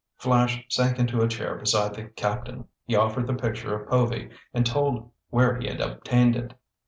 Flash sank into a chair beside the captain. He offered the picture of Povy and told where he had obtained it.